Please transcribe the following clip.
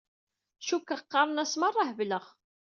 Cukkeɣ qqaren-as merra hebleɣ.